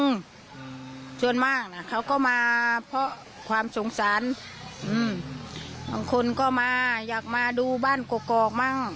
อืมส่วนมากน่ะเขาก็มาเพราะความสงสารอืมบางคนก็มาอยากมาดูบ้านกกอกมั่ง